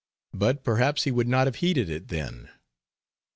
But perhaps he would not have heeded it then.